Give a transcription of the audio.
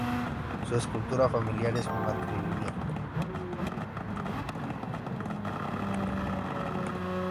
Su estructura familiar es matrilineal.